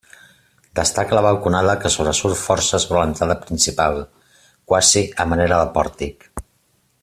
Destaca la balconada que sobresurt força sobre l'entrada principal, quasi a manera de pòrtic.